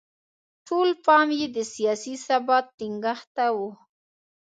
ټول پام یې د سیاسي ثبات ټینګښت ته و.